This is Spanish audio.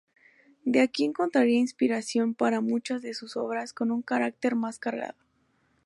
De aquí encontraría inspiración para muchas de sus obras con un carácter más cargado.